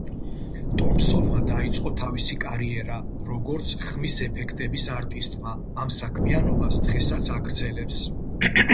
ტომპსონმა დაიწყო თავისი კარიერა, როგორც ხმისეფექტების არტისტმა, ამ საქმიანობას დღესაც აგრძელბს.